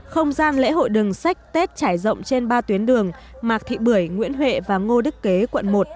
không gian lễ hội đường sách tết trải rộng trên ba tuyến đường mạc thị bưởi nguyễn huệ và ngô đức kế quận một